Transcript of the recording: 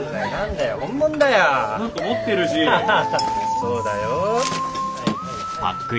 そうだよ。